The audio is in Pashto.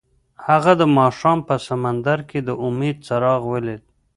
هغه د ماښام په سمندر کې د امید څراغ ولید.